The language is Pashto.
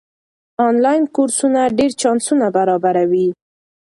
آنلاین کورسونه ډېر چانسونه برابروي.